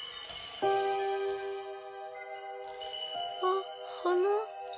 あっ花。